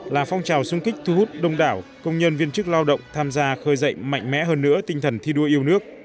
là phong trào xung kích thu hút đông đảo công nhân viên chức lao động tham gia khơi dậy mạnh mẽ hơn nữa tinh thần thi đua yêu nước